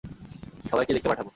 সবাইকে লিখে পাঠাবো।